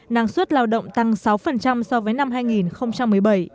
năng suất lao động tăng sáu so với năm hai nghìn một mươi bảy